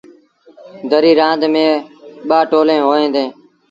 دريٚ رآند ميݩ ٻا ٽولين هوئيݩ ديٚݩ۔